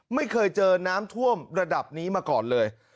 ไม่เคยเจอน้ำท่วมระดับนี้มาก่อนเลย